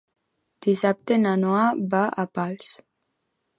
Dissabte na Noa va a Pals.